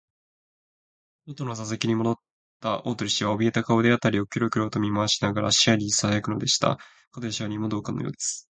もとの座敷にもどった大鳥氏は、おびえた顔で、あたりをキョロキョロと見まわしながら、支配人にささやくのでした。門野支配人も同感のようです。